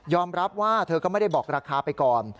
รับว่าเธอก็ไม่ได้บอกราคาไปก่อน